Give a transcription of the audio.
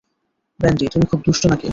Brandy, তুমি খুব দুষ্টু নাকি?